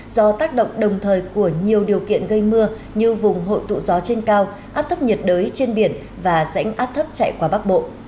do tác động đồng thời của nhiều điều kiện gây mưa như vùng hội tụ gió trên cao áp thấp nhiệt đới trên biển và rãnh áp thấp chạy qua bắc bộ